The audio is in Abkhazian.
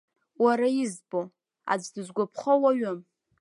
Уара избо, аӡә дызгәаԥхо уаҩым.